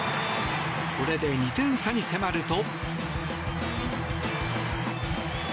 これで２点差に迫ると。